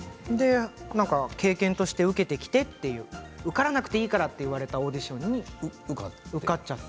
経験として受けてきてって受からなくていいからと言われたオーディションに受かっちゃって。